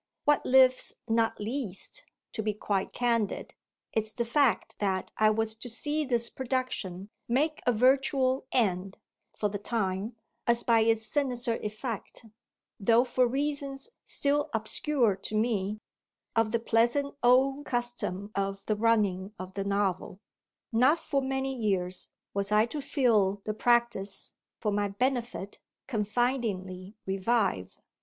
What lives not least, to be quite candid, is the fact that I was to see this production make a virtual end, for the time, as by its sinister effect though for reasons still obscure to me of the pleasant old custom of the "running" of the novel. Not for many years was I to feel the practice, for my benefit, confidingly revive.